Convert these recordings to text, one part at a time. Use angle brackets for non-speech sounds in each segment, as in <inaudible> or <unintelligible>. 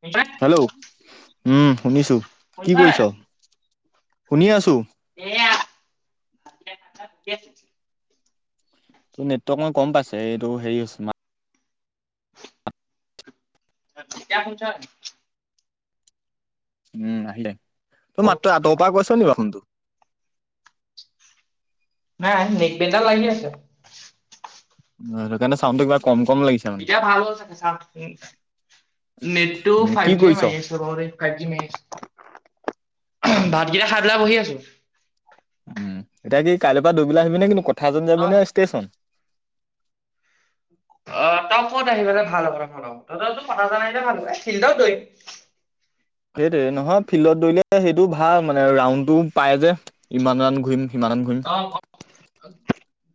শুনিছনে? হেল্ল' উম শুনিছো। কি শুনিছনে কৰিছ? শুনি আছো। সয়া <unintelligible> <unintelligible> ত নেটৱৰ্ক কম পাইছে। এইটো হেৰি হৈছে ম কিয় পুছা <unintelligible> উম। আহিলে। তই মাত্ৰ আঁতৰ পৰা কৈছ নি কিবা ফুনটো? নাই নেক পেনডাল লাগি আছে <unintelligible> কাৰণে চাউডটো কিবা কম-কম লাগিছে মানে এতিয়া ভাল আছে চা <unintelligible> নেটটো উম ফাই কি জি এ কৰিছ মাৰি আছে। ফাইভ জিছে ভাতকেইটা খাই পেলাই বহি আছো। উম। এতিয়া কি কাইলৈৰ পৰা দুইবেলা আহিবি নে, কিন্তু কঠ এজন যাবি তই? নে ষ্টেচন? অ তই ক'ত আহি পে ভাল হ'ব ম তইোৰ কথা জানাই যে ভাল হ ফিল্ড দই <unintelligible> সেইটোৱে নহয়, ফিল্ডত দৰিলে সেইটো ভাল মানে ৰাউডটো পাই যে, ইমান ঘূৰিম সিমানান ঘূৰি। অ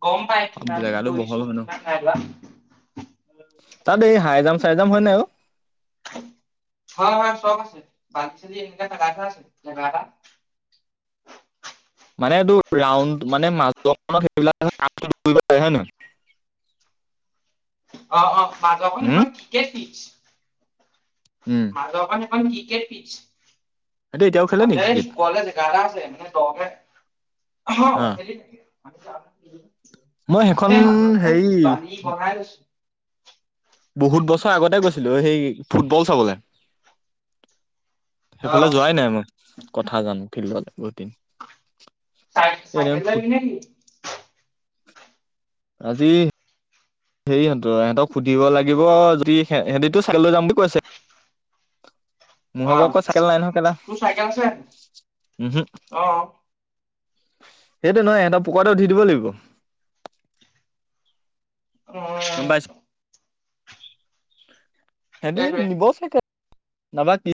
গম পাই কিমান বহল লৈছো হয় ন কিমান খাই বাা <unintelligible> চাইজাম হয় নাই ও? হয় <unintelligible> হয় হয় চব আছে <unintelligible> <unintelligible> মানে এইটো ৰাউণ্ড মানে মাজত <unintelligible> <unintelligible> অ অ অ মাজত উম <unintelligible> কেচিচ উম সেইটো এতিয়াও <unintelligible> খেলে নেকি ক্ৰিকেট অজেচ কলেজ গাৰা আছে উম, তহতে <unintelligible> অহ অ খেলি থাকে। মই সেইখন এ মাজৰ ফালে হেৰি বালি বঢ়াই লৈছো। বহুত বছৰ আগতে গৈছিলো, সেই ফুটবল চাবলে। অ সেইফালে যোৱাই নাই মই কথা জানো ফিল্ডলৈ বহুত দিন এনে চ-চাইাকেল লৈ ফুট আইবি নাকি? আজি হেৰী হহঁতৰ-হেন্তক সুধিব লাগিব। যদি সে-সেনতেতো চাইকেল ল যাম বুলি কৈছে। <unintelligible> মোৰ হাবো আকৌ চাইকেল নাইনহ কেলা, তোৰ চাইকেল আছে উম হউ। অ সেইটো নহয় সিহঁতৰ <unintelligible> উঠি দিব লাগিব। গম পাইছ <unintelligible> সিহঁতি সেইটোৱে নিব চাগে নাবা কি